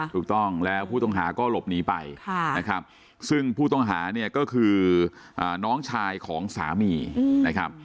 ถูกต้องแล้วผู้ต้องหาก็หลบหนีไปนะครับซึ่งผู้ต้องหาเนี่ยก็คือน้องชายของสามีนะครับ